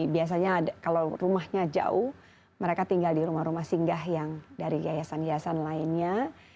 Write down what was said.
biasanya kalau rumahnya jauh mereka tinggal di rumah rumah singgah yang dari yayasan yayasan lainnya